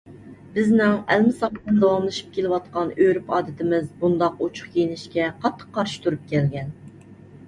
بىزنىڭ ئەلمىساقتىن داۋاملىشىپ كېلىۋاتقان ئۆرپ-ئادىتىمىز بۇنداق ئوچۇق كىيىنىشكە قاتتىق قارشى تۇرۇپ كەلگەن.